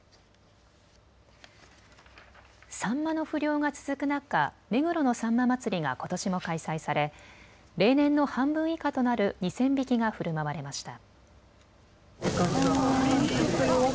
サンマの不漁が続く中、目黒のさんま祭がことしも開催され例年の半分以下となる２０００匹がふるまわれました。